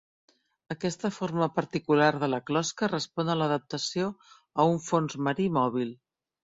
Aquesta forma particular de la closca respon a l'adaptació a un fons marí mòbil.